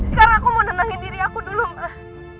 sekarang aku mau denangin diri aku dulu mah